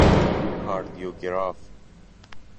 کاردیوگراف